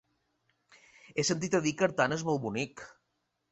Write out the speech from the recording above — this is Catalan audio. He sentit a dir que Artana és molt bonic.